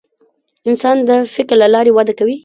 انسان د فکر له لارې وده کوي.